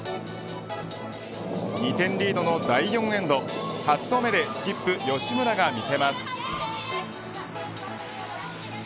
２点リードの第４エンド８投目でスキップ吉村が見せます。